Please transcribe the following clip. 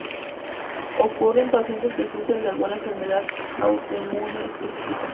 Ocurre en pacientes que sufren de alguna enfermedad autoinmune específica.